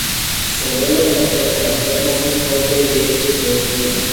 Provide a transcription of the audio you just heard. Su abuelo paterno fue Jorge V de Georgia.